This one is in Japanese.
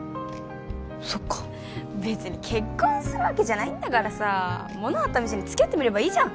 そっか別に結婚するわけじゃないんだからさものは試しに付き合ってみればいいじゃん